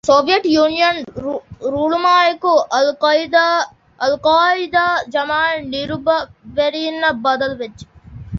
ސޮވިއެޓް ޔުނިއަން ރޫޅުމާއެކު އަލްޤާޢިދާ ޖަމާޢަތް ނިރުބަވެރީންނަށް ބަދަލުވެއްޖެ